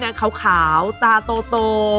คิดของคิดของน่ารัก